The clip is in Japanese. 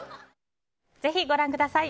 ぜひご覧ください。